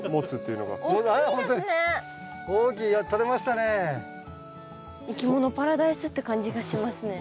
いきものパラダイスって感じがしますね。